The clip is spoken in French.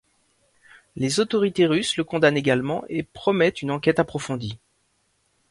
Les autorités russes le condamnent également et promettent une enquête approfondie.